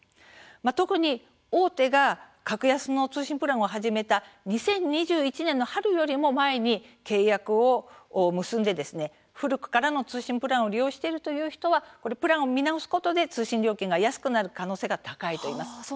特に大手が格安の通信プランを始めた２０２１年の春よりも前に契約を結んで古くからの通信プランを利用しているという人はプランを見直すことで通信料金が安くなる可能性が高いといいます。。